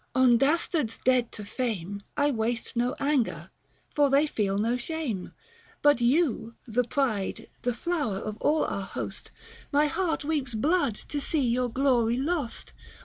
on dastards dead to fame I waste no anger, for they feel no shame ; But you, the pride, the flower of all our host, My heart weeps blood to see your glory lost